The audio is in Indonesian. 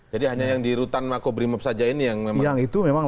jadi hanya yang di rutan mako brimob saja ini yang memang